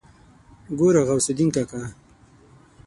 ګوره غوث الدين کاکا.